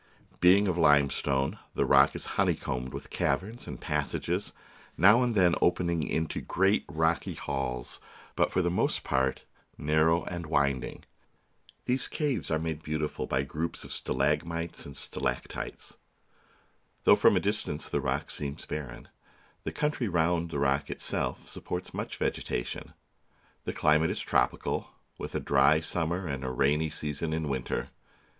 Being of limestone, the rock is honeycombed with caverns and passages, now and then opening into great rocky halls, but for the most part narrow and winding. These caves are [235 ] THE BOOK OF FAMOUS SIEGES made beautiful by groups of stalagmites and stalac tites. Though from a distance the rock seems bar ren, the country round about the rock itself sup ports much vegetation. The climate is tropical, with a dry summer and a rainy season in winter.